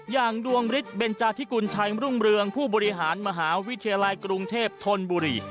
ดวงฤทธิเบนจาธิกุลชัยมรุ่งเรืองผู้บริหารมหาวิทยาลัยกรุงเทพธนบุรี